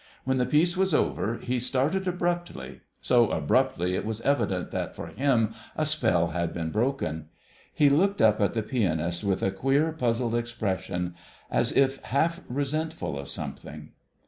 When the piece was over he started abruptly—so abruptly it was evident that for him a spell had broken. He looked up at the pianist with a queer, puzzled expression, as if half resentful of something.